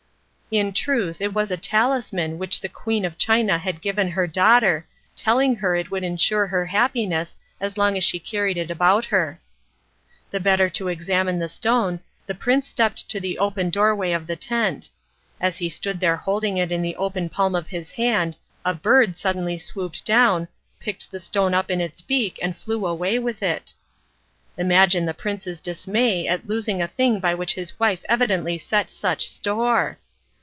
In truth it was a talisman which the Queen of China had given her daughter, telling her it would ensure her happiness as long as she carried it about her. The better to examine the stone the prince stepped to the open doorway of the tent. As he stood there holding it in the open palm of his hand, a bird suddenly swooped down, picked the stone up in its beak and flew away with it. Imagine the prince's dismay at losing a thing by which his wife evidently set such store!